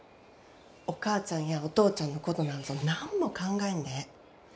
お母ちゃんやお父ちゃんのことなんぞ何も考えんでええ。